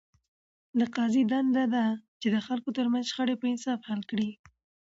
د قاضي دنده ده، چي د خلکو ترمنځ شخړي په انصاف حل کړي.